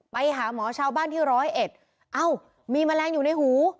ไปหาหมอชาวบ้านที่ร้อยเอ็ดเอ้ามีแมลงอยู่ในหู